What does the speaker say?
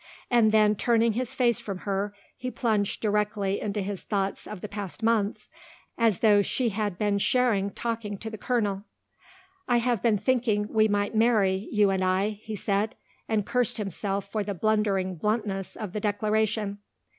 And then turning his face from her he plunged directly into his thoughts of the past months as though she had been sharing talking to the colonel. "I have been thinking we might marry, you and I," he said, and cursed himself for the blundering bluntness of the declaration.